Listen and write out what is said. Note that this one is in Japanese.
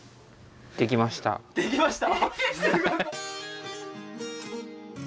できました！？